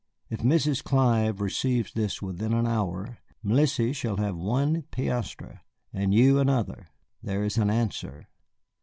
"If Mrs. Clive receives this within an hour, Mélisse shall have one piastre, and you another. There is an answer."